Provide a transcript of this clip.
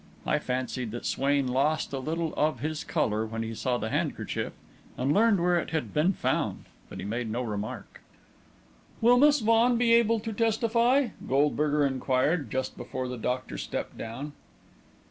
I fancied that Swain lost a little of his colour when he saw the handkerchief and learned where it had been found, but he made no remark. "Will Miss Vaughan be able to testify?" Goldberger inquired, just before the doctor stepped down.